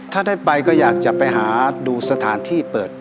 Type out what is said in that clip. ถ้าได้ไปก็อยากจะไปหาดูสถานที่เปิด